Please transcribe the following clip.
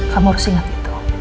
kamu harus ingat itu